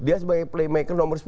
dia sebagai playmaker nomor sepuluh